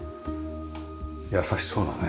優しそうなね。